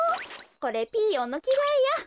これピーヨンのきがえや。